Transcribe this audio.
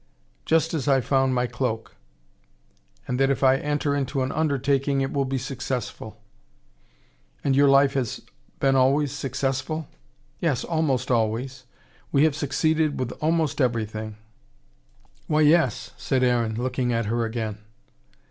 Just as I found my cloak. And that if I enter into an undertaking, it will be successful." "And your life has been always successful?" "Yes almost always. We have succeeded with almost everything." "Why, yes," said Aaron, looking at her again.